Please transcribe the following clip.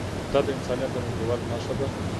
دا د انسانیت د نږدېوالي نښه ده.